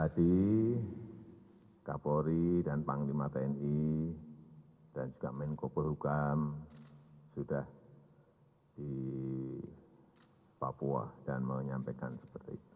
tadi kapolri dan panglima tni dan juga menko polhukam sudah di papua dan menyampaikan seperti itu